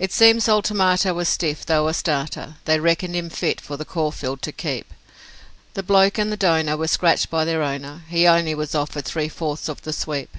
'It seems old Tomato was stiff, though a starter; They reckoned him fit for the Caulfield to keep. The Bloke and the Donah were scratched by their owner, He only was offered three fourths of the sweep.